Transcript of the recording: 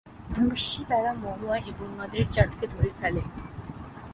অবশেষে তারা মহুয়া এবং নদের চাঁদকে ধরে ফেলে।